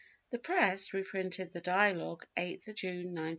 The Press reprinted the Dialogue 8th June, 1912.